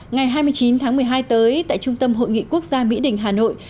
ngày hai mươi chín tháng một mươi hai tới tại trung tâm hội nghị quốc gia mỹ đình hà nội